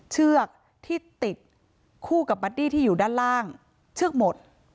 เชือกที่ติดคู่กับบัดดี้ที่อยู่ด้านล่างเชือกหมด